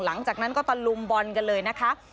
หลังจากนั้นก็ตะลุมบอลกันเลยนะคะ